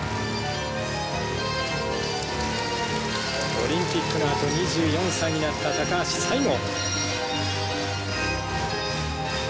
オリンピックのあと２４歳になった橋最後。